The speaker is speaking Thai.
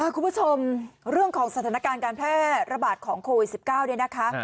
คุณผู้ชมเรื่องของสถานการณ์การแพร่ระบาดของโควิด๑๙เนี่ยนะคะ